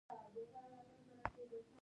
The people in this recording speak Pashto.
په ماڼۍ کې د مختلفو خدایانو بتان نقش شوي وو.